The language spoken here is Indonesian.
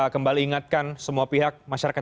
kembali ingatkan semua pihak masyarakat